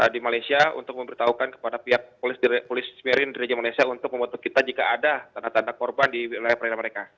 di malaysia untuk memberitahukan kepada pihak polisi raja malaysia untuk membantu kita jika ada tanda tanda korban di wilayah perairan mereka